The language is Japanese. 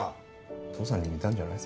父さんに似たんじゃない？